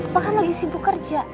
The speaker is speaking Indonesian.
bapak kan lagi sibuk kerja